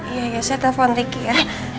saya telepon riki ya